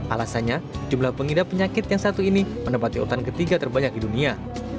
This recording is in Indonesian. alasannya jumlah pengidap penyakit yang satu ini menempati urutan ketiga terbanyak di dunia